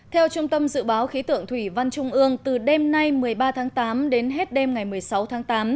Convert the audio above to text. theo trung tâm dự báo khí tượng thủy văn trung ương từ đêm nay một mươi ba tháng tám đến hết đêm ngày một mươi sáu tháng tám